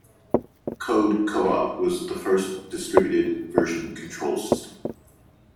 Code Co-op was the first distributed version control system.